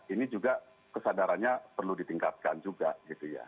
ini juga kesadarannya perlu ditingkatkan juga